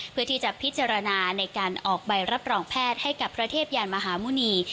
เพื่อที่จะพิจารณาในการออกใบรับรองแพทย์ให้กับพระเทพยานมหาหมุณี